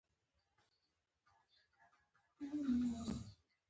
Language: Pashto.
پوخ سنې غږ کړ ای جلۍ بل چاته وړل به خوند ورکوي نو.